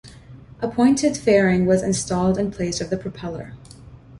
A pointed fairing was installed in place of the propeller.